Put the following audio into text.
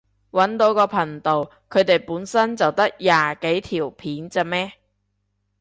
搵到個頻道，佢哋本身就得廿幾條片咋咩？